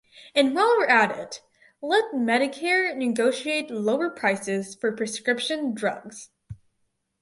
And while we’re at it let Medicare negotiate lower prices for prescription drugs.